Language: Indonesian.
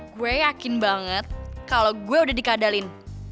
gue yakin banget kalau gue udah dikadalin